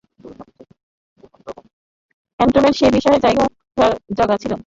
ক্যান্টনমেন্টের সেই বিশেষ জায়গায় যাঁরা ছিলেন, তাঁদের অনেকেই তাঁকে ব্যক্তিগতভাবে চিনতেন।